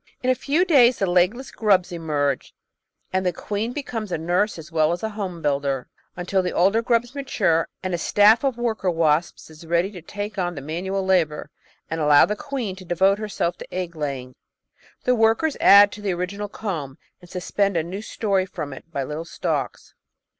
In a few days the legless grubs emerge, and the queen be comes a nurse as well as a home builder, until the older grubs mature, and a staff of worker wasps is ready to take on the manual labour and allow the queen to devote herself to egg lay ing. The workers add to the original comb and suspend a new storey from it by little stalks.